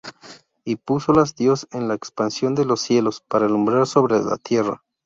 Y púsolas Dios en la expansión de los cielos, para alumbrar sobre la tierra